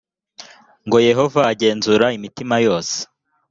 ngo yehova agenzura imitima yose